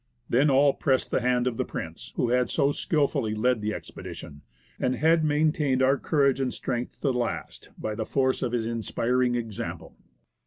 Then all pressed the hand of the Prince, who had so skilfully led the expedition, and had maintained our courage and strength to the last by the force of his inspiring example.